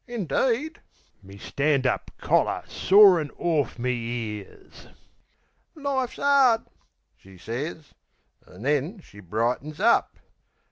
Indeed?" Me stand up collar sorin' orf me ears. "Life's 'ard," she sez, an' then she brightens up.